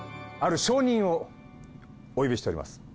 ある証人をお呼びしております。